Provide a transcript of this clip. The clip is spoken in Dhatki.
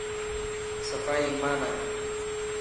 صفائي ايمان هي.